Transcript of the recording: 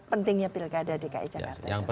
pentingnya pilkada dki jakarta